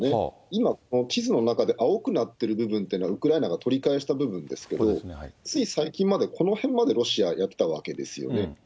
今、地図の中で青くなってる部分っていうのは、ウクライナが取り返した部分ですけれども、つい最近までこの辺までロシア、やってたわけですよね。